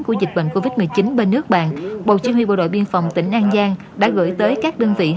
của dịch bệnh covid một mươi chín bên nước bạn bộ chỉ huy bộ đội biên phòng tỉnh an giang đã gửi tới các đơn vị